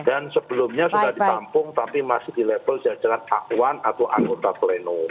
dan sebelumnya sudah ditampung tapi masih di level jajaran a satu atau anggota pleno